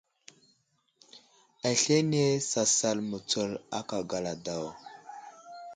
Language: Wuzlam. Aslane sasal mətsul aka gala daw.